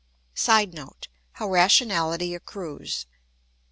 [Sidenote: How rationality accrues.